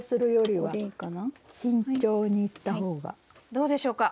どうでしょうか。